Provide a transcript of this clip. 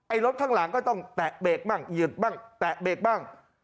รถข้างหลังก็ต้องแตะเบรกบ้างหยุดบ้างแตะเบรกบ้าง